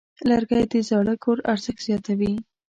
لرګی د زاړه کور ارزښت زیاتوي.